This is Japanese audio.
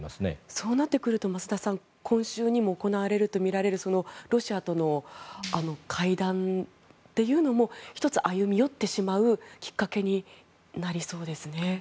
そうなってくると今週にも行われるとみられるロシアとの会談っていうのも１つ歩み寄ってしまうきっかけになりそうですね。